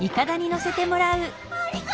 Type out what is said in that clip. ありがと！